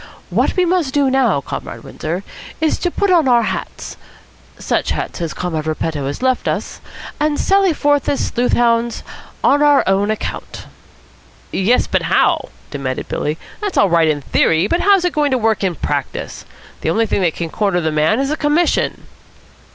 What we must do now, Comrade Windsor, is put on our hats, such hats as Comrade Repetto has left us, and sally forth as sleuth hounds on our own account." "Yes, but how?" demanded Billy. "That's all right in theory, but how's it going to work in practice? The only thing that can corner the man is a commission."